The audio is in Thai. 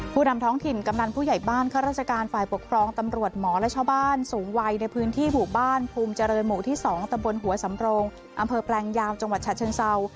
นำท้องถิ่นกำนันผู้ใหญ่บ้านข้าราชการฝ่ายปกครองตำรวจหมอและชาวบ้านสูงวัยในพื้นที่หมู่บ้านภูมิเจริญหมู่ที่๒ตะบนหัวสำโรงอำเภอแปลงยาวจังหวัดฉะเชิงเศร้า